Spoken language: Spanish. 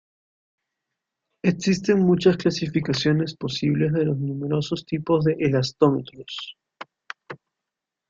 Existen muchas clasificaciones posibles de los numerosos tipos de elastómeros.